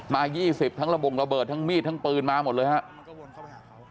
มา๒๐ทั้งระบงระเบิดทั้งมีดทั้งปืนมาหมดเลยครับ